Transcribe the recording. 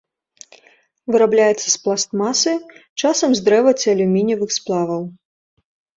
Вырабляецца з пластмасы, часам з дрэва ці алюмініевых сплаваў.